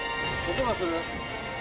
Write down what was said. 音がする。